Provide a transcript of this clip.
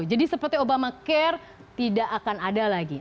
jadi seperti obamacare tidak akan ada lagi